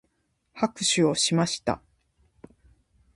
拍手をしました。